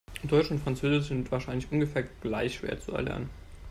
Deutsch und Französisch sind wahrscheinlich ungefähr gleich schwer zu erlernen.